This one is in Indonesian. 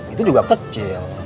itu juga kecil